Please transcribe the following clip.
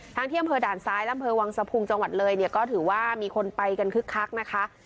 ที่อำเภอด่านซ้ายอำเภอวังสะพุงจังหวัดเลยเนี่ยก็ถือว่ามีคนไปกันคึกคักนะคะ